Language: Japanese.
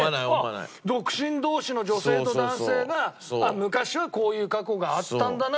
独身同士の女性と男性が昔はこういう過去があったんだなぐらいで終わりだし。